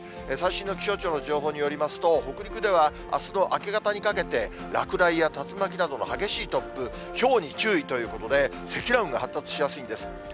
最新の気象庁の情報によりますと、北陸ではあすの明け方にかけて、落雷や竜巻などの激しい突風、ひょうに注意ということで、積乱雲が発達しやすいんです。